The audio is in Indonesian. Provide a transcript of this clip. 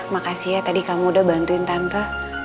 makasih ya tadi kamu udah bantuin tante